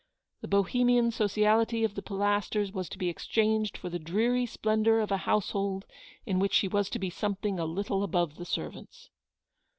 The Bohemian sociality of the Pilasters was to be exchanged for the dreary splendour of a household in which she was to be something a little above the servants.